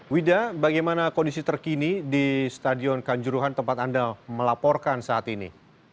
wida bagaimana kondisi terkini di stadion kanjuruhan tempat anda melaporkan saat ini